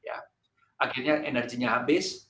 akhirnya energinya habis